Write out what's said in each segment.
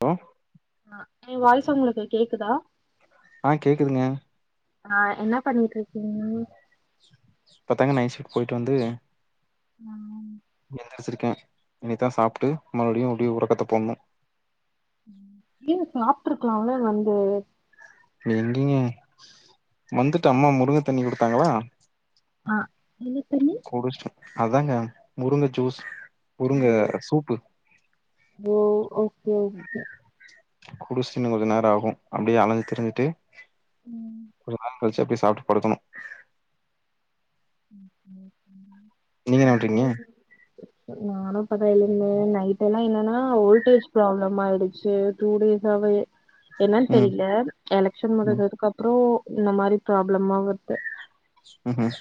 Hello ஆ ஏ voice உங்களுக்கு கேக்குதா ஆ கேக்குதுங்க ஆ என்ன பண்ணிட்டு இருக்கீங்க இப்ப தாங்க நைட் ஷீப்ட் போயிட்டு வந்து ம் எந்திரிச்சிருக்கே இனிதா சாப்ட்டு மறுபடியு அப்டியே உறக்கத்த போட்னு ம் ஏ சாப்பிட்டுருக்கலால்ல வந்து எங்கிங்க வந்துட்டு அம்மா முருங்க தண்ணி குடுத்தாங்களா ஆ என்ன தண்ணி குடிச்சிட்டே அதாங்க முருங்க ஜூஸ் முருங்க ஓ சூப்பு ஓ ஓகே குடிசின்னு இன்னு கொஞ்ச நேரோ ஆகு அப்டியே அலஞ்சு திரிஞ்சுட்டு ம் கொஞ்ச நேரோ கழுச்சு அப்டியே சாப்ட்டு படுக்கணு நீங்க [inaudible] என்ன பண்றீங்க நானு இப்பதா எழுந்தே நைட் எல்லா என்னன்னா ஓல்ட் டேஜ் ப்ராப்ளம் ஆயிடுச்சு டூ டேஸ்சாவே என்னன்னு ம் தெரில எலக்ஷன் ம் முடிஞ்சதுக்கு அப்றோ இந்த மாரி ப்ராப்ளமா வருது உஹம்ம்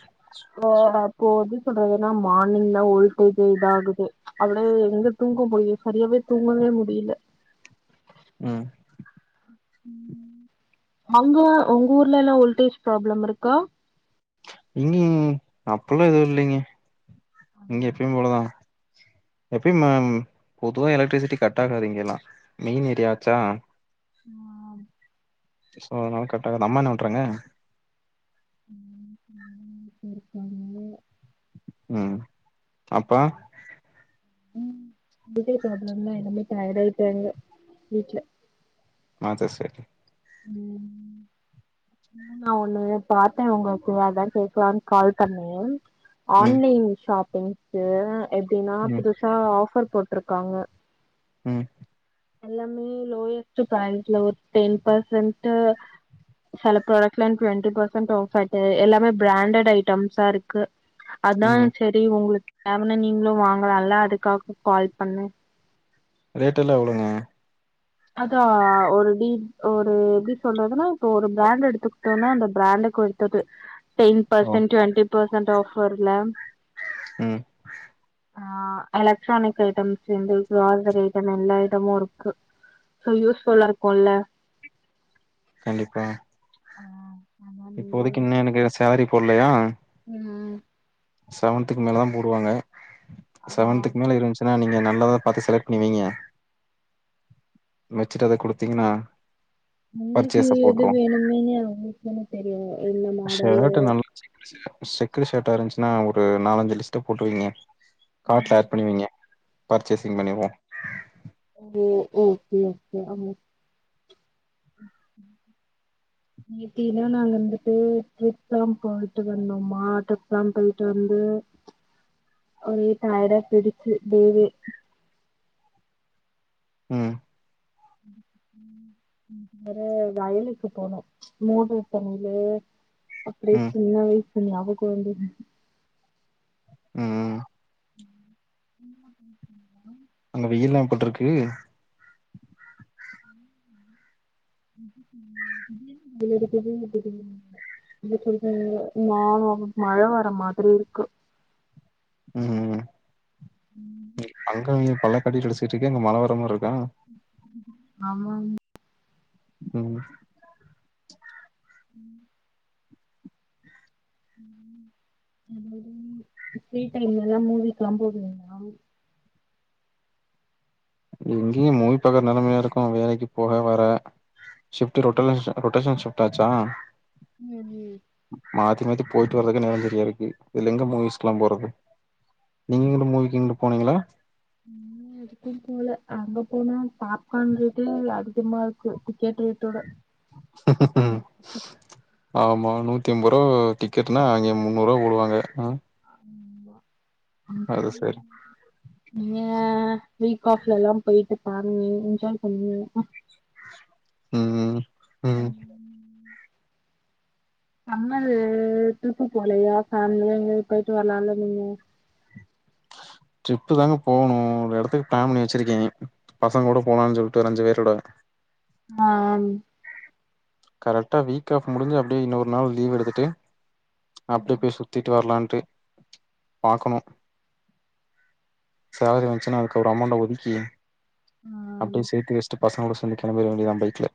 ஆ அப்போ எப்டி சொல்றது ஏன்னா மார்னிங் தா ஓல்டேஜ் இதாகுது அவ்ளோ எங்க தூங்க போது செரியாவே தூங்கவே முடில ம் ம் அங்க உங்க ஊர்ல எல்லா ஓல்டேஜ் ப்ராப்ளம் இருக்கா இங்கிங் அப்பில்லா எதுவு இல்லிங்க இங்க எப்பயு போலதா எப்பயு பொதுவா எலக்ட்ரிசிட்டி கட் ஆகாது இங்க எல்லா மெயின் ஏரியாச்சா ஆ சோ அதனால கட் ஆகாது அம்மா என்ன பண்றாங்க ம் ம் செரிக்கா ம் அப்பா ம் இதே ப்ராப்ளம் தா எல்லாமே டயட் ஆயிட்டாங்க வீட்ல அது செரி ம் நா ஒண்ணு பாத்தே உங்களுக்கு அதா கேக்கலான்னு கால் பண்ணே ம் ஆன்லைன் ஷாப்பிங்கு எப்டின்னா ம் புதுசா ஆஃபர் போட்டிருக்காங்க ம் எல்லாமே லோயஸ்ட் [unintelligible] ஒரு டென் பர்சன்ட்டு சில ப்ராடக்ட்ஸ்ல டுவெண்டி பெர்சன்ட் [unintelligible] எல்லாமே பிராண்டேட் ஐட்டம்ஸா இருக்கு அதா ம் செரி உங்களுக்கு தேவன்னா நீங்களு வாங்கலால்ல அதுக்காக கால் பண்ணே ரேட் எல்லா எவ்ளோங்க அதா ஒரு டி ஒரு எப்டி சொல்றதுன்னா இப்ப ஒரு பிராண்ட் எடுத்துக்கிட்டோன்னா அந்த பிராண்ட பொறுத்தது டென் ஓ பர்சன்ட் டுவென்டி பர்சன்ட் ஆஃபர்ல ம் ஆ எலக்ட்ரானிக் ஐட்டம்ஸ் இருந்து கிராசரி ஐட்டம் எல்லா ஐட்டமு இருக்கு யூஸ்ஃபுல்லா இருக்குல்ல கண்டிப்பா ஆ ஆமா இப்போதைக்கு இன்னு எனக்கு சேலரி போடலயா ம் செவன்த்துக்கு மேல தா போடுவாங்க ஆ செவன்த்துக்கு மேல இருந்துச்சுன்னா நீங்க நல்லதா பாத்து செலக்ட் பண்ணி வைங்க வெச்சிட்டு அத கொடுத்தீங்ன்னா உங்களுக்கு எது வேணுமுன்னே உங்களுக்கு தானே தெரியு என்ன மாடல்லு ஷர்ட் நல்லா செக்குடு ஷர்ட்டா இருந்துச்சுன்னா ஒரு நாலஞ்சு லிஸ்ட்ட போட்டுவைங்க கார்ட் பேக் பண்ணி வைங்க பர்ச்சேசிங் பண்ணிக்வோ ஓ ஓகே ஓகே அம்மு ம் எப்டின்னா நாங்க வந்துட்டு ட்ரிப்ல்லா போய்ட்டு வந்தோமா ட்ரிப்ல்லா போய்ட்டு வந்து ஒரே டயர்டா போயிருச்சு டேவே ம் வேற வயலுக்கு போனோ மோட்டரு பணில அப்டியே ம் சின்ன வயசு ஞாபகோ வந்து ம் [unintelligible] அங்க வெயில்லா எப்டிருக்கு ம் [unintelligible] இங்க கொஞ்சோ மா மழ வர மாதிரி இருக்கு ம் அங்கினி பல்லக்காட்டி அடிச்சுட்டு இருக்கு அங்க மல வரமாரிருக்கா ஆமாங்க ம் ம் அதது ஃப்ரீ டைம்லல்லாம் மூவிக்லா போவிங்ளா இங்கயு மூவி பாக்குற நிலைமையா இருக்கு வேலைக்கு போக வர ஷிஃப்ட் ரொட்டனல் ரொட்டேஷன் ஷிஃப்டாச்சா ம் ம் மாத்தி மாத்தி போய்ட்டு வர்ரதுக்கு நேரோ சரியா இருக்கு இதுல எங்க மூவிஸ்க்ல்லா போறது நீங்களு மூவிக்கு எங்கயு போனீங்ளா ம் எங்கயு போல அங்க போனா பாப்கான் ரேட்டு அதிகமா இருக்கு டிக்கெட் ரேட்டோட ஆமா நூத்தி ஐம்பது ரூவா டிக்கெட்னா அங்கே முண்ணூரூவா போடுவாங்க ம் ஆமா அது சரி ஏ வீக் ஆஃப்லல்லா போய்ட்டு பாங்க என்ஜாய் பண்ணு ம் ம் நம்மலு ட்ரிப்பு போலையா ஃபேமிலியா எங்கயு போய்ட்டு வரலாமுன்னு ட்ரிப்பு தாங்க போணு ஒரு எடத்துக்கு பிளான் பண்ணி வச்சுருக்கே பசங்க கூட போலானு சொல்ட்டு ஒரு அஞ்சு பேரோட மேம் கரெக்டா வீக் ஆஃப் முடிஞ்சு அப்டியே இன்னொரு நாள் லீவ் எடுத்துட்டு அப்டியே போய் சுத்திட்டு வர்லான்ட்டு பாக்கணு சேலரி வந்துச்சின்னா அதுக்கு ஒரு அமௌண்ட ஒதுக்கி ஆ அப்டியே சேத்து வெச்சிட்டு பசங்களோட சனிக்கெழம போயிர வேண்டியதா பைக்ல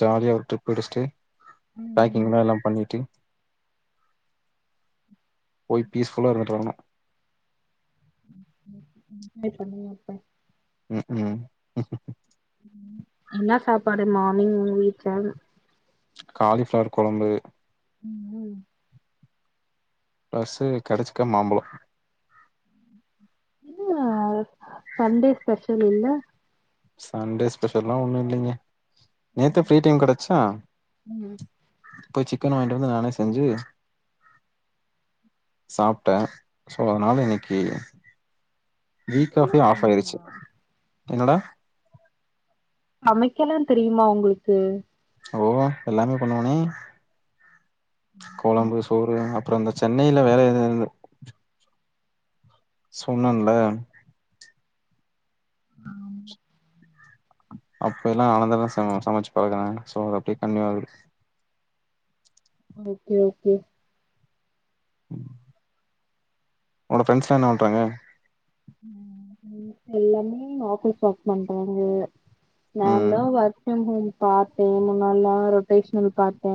ஜாலியா ஒரு ட்ரிப் அடிஸ்டு ம் பேக்கிங்லா எல்லா பண்ணிட்டு போய் ஃபிஸ்ஃபுல்லா இருந்துட்டு வரனு [inaudible] பண்ணியா அப்ப ம் ம் என்ன சாப்பாடு மார்னிங் உங்க வீட்லன்ன காலிஃபிளவர் கொழம்பு ம் ம் பிளஸ்ஸு கடிச்சிக்க மாம்பழோ என்ன சண்டே ஸ்பெஷல் இல்ல சண்டே ஸ்பெஷல்லா ஒன்னு இல்லைங்க நேத்தே ம் ஃப்ரீ டைம் கெடச்சா ம் போய் சிக்கன் வாங்கிட்டு வந்து நானே செஞ்சி சாப்டே சோ அதனால இன்னைக்கி வீக் சமைக்கலா ஆஃப்லா ஆஃப் தெரியுமா ஆயிடுச்சி என்னடா சமைக்கல்லா தெரிமா உங்களுக்கு ஓ எல்லாமே பண்ணுவேனே கொழம்பு சோறு அப்றோ இந்த சென்னையில வேல இருந்த சொன்னல்ல ஆமா அப்பல்லா ஆனந்தமா சம சமச்சி பாழகுனே சோ அப்டியே கண்டின்யூ ஆகுது ஓகே ஓகே ம் உன்னோட ஃப்ரெண்டஸ்லா என்ன பண்றாங்க ம் என் ஃப்ரெண்ட்ஸ் எல்லாமே ஆபீஸ் ஒர்க் பண்றாங்க நான் ம் தா ஒர்க் ஃப்ரம் ஹோம் பாத்தே முன்னெல்லா ரொட்டேஷனல் பாத்தே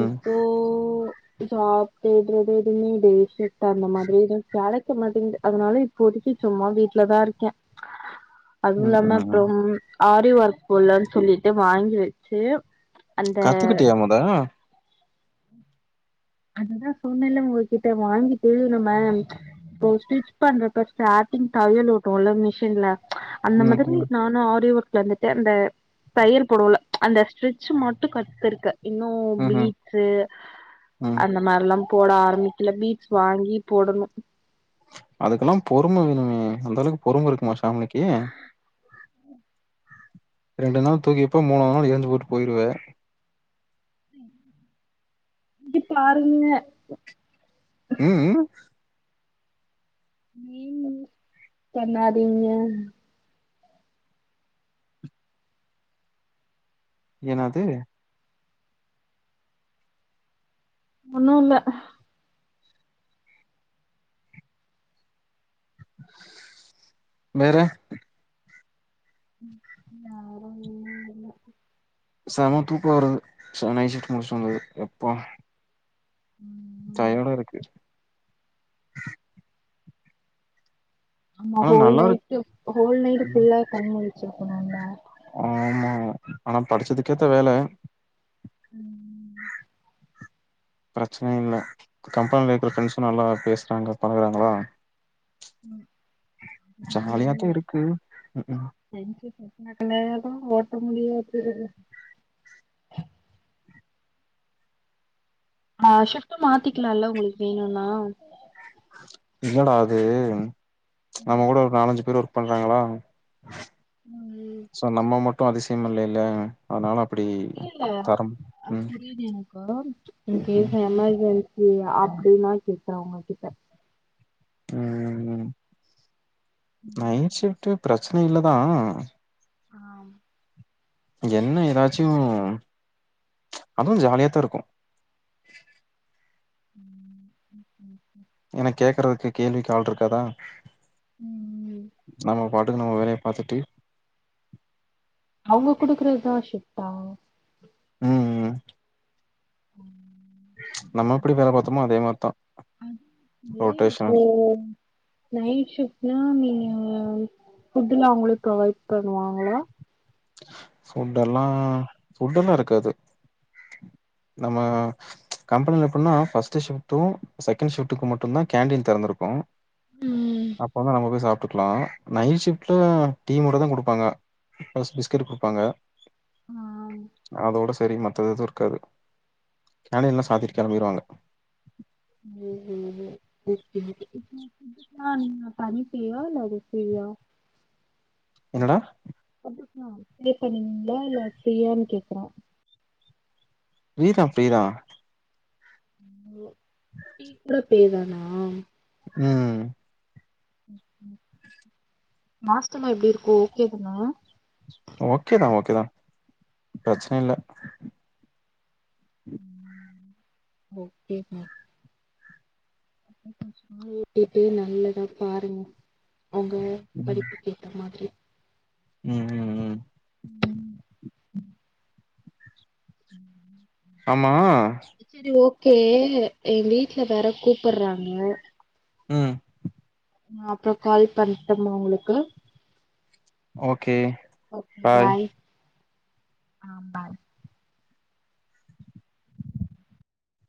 ம் இப்போ ஜாப் தேட்றது எதுமே இது செட் அந்த மாதிரி எதுவு கெடைக்க மாட்டேங்குது அதனால இப் இப்போதைக்கு சும்மா வீட்டுலதா இருக்கே அதுவும் ம் இல்லாம ம் அப்றம் ஆரி ஒர்க் போட்லன்னு சொல்லிட்டு வாங்கி வெச்சி கத்துக்கிட்டியா மொத அதுதா சொன்னேல்ல உங்ககிட்ட வாங்கிட்டு நம்ம இப்ப ஸ்டிச் பண்றப்ப ஸ்டாரிங் தையல் ஓட்டுவோல்ல மிஷின்ல அந்த ம் மாதிரி ம் நான் நான் ஆரி ஒர்க் வந்துட்டு அந்த தையல் போடுவோல்ல அந்த ஸ்ட்ச்ச மட்டு கத்திருக்க இன்னும் ம்ஹ்ம் பீட்ஸ்சு ம். இந்த மாரில்லா போட ஆரம்பிக்கல பீட்ஸ் வாங்கி போடணு அதுக்கெல்லா பொறுமை வேணுமே அந்த அளவுக்கு பொறுமை இருக்குமா சாமிலிக்கு ரெண்டு நாள் தூக்கிப்ப மூணாவ நாள் எழுந்து போட்டு போயிடுவே சுஜி பாருங்க ம்ம் நீங்களு பண்ணாதீங்க என்னாது ஒன்னு இல்ல வேற யாரு செம தூக்க வருது ச நைட் ஷிப்ட் முடிச்ட்டு வந்தது எப்பா ம் டயடா இருக்கு ஆமா ஆனா ஹோல் நல்லாருக்கு. நைட்டு ஹோல் நைட் ஃபுல்லா கண்முழிச்சிருக்கணுல ஆமா ஆனா படிச்சதுக்கேத்த வேல ம் பிரச்சன இல்ல கம்பெனியில இருக்கிற ஃப்ரெண்ட்ஸு நல்லா பேசுறாங்க பழகுறாங்ளா ம் அததா ஜாலியா மெயினு தான் இருக்கு. ம்ஹ்ம். செஞ்சு சக்னாகனாலு ஓட்ட முடியாது ஆ ஷிப்டு மாத்திக்கலால்ல உங்களுக்கு வேணுனா இல்லடா அது நம்ம கூட ஒரு நாலஞ்சு பேர் ஒர்க் பண்றாங்களா ம் சோ நம்ம மட்டு அதிசயம் இல்லைல அதனால அப்டி இல்ல இல்ல தரம் அ ம் புரியுது எனக்கு ம் எப்ப எமர்ஜென்சி ஏ அப்டினா கேட்டே உங்க கிட்ட ம் ம் ம் நைட் ஷிப்ட்டு பிரச்சன இல்லதா ஆ என்ன எதாச்சு அதுவு ஜாலியாத்தா இருக்கு ம் ம் ம் எனக் கேக்குறதுக்கு கேள்விக்கு ஆல் இருக்காதா ம் நம்ம பாட்டுக்கு நம்ம வேலைய பாத்துட்டு அவங்க குடுக்குறது தா ஷிப்டா ம் ம் ம் நம்ம எப்படி வேல பாத்தோமோ அதே மாறி தா ஏய் இப்போ நைட் ஷிஃப்ட்னா நீ ஃபுட்லா அவங்களே ப்ரொவைட் பண்ணுவாங்களா ஃபுட் எல்லா ஃபுட் எல்லா இருக்காது நம்ம கம்பெனில எப்டின்னா ஃபஸ்டு ஷிப்டு செகண்ட் ஷிப்டுக்கு மட்டுந்தா கேண்டீன் தெறந்துருக்கு ம் அப்பதா நம்ம போய் சாப்டுக்கலா நைட் ஷிப்டு டீ மட்டு தா குடுப்பாங்க ஃபஸ்ட் பிஸ்கட் குடுப்பாங்க ஆ அதோட சரி மத்தது எதுவு இருக்காது கேண்டின்ல்லா சாத்திட்டு கெளம்பிறுவாங்க [unintelligible] நா நீங்க தனிப்பியா இல்ல வெப்பியா என்னடா அப்ளே பண்ணீங்களா இல்ல ஃபிரியான் கேக்குற ஃபிரிதா ஃபிரிதா டீ கூட ஃபிரிதானா ம் மாஸ்டல்லா எப்டி இருக்கு ஓகே தானா ஓகே தா ஓகே தா பிரச்சன இல்ல ம் ஓகே தா [unintelligible] ஊட்டிட்டு நல்லதா பாருங்க அவங்க ம் படிப்புக்கு ஏத்த மாதிரி ம் ம் ம். ம் ம் ம் ம் ம் ம் ஆமா செரி ஓக்கே எ வீட்ல வேற கூப்பட்றாங்க ம் நா அப்றோ கால் பண்ட்டும்மா உங்ளுக்கு ஓக்கே ஓக்கே பாய் அ பாய்